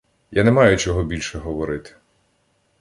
— Я не маю чого більше говорити.